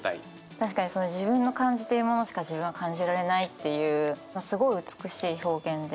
確かにその自分の感じてるものしか自分は感じられないっていうすごい美しい表現で。